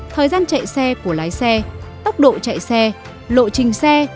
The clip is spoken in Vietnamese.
thời gian chạy xe của lái xe tốc độ chạy xe lộ trình xe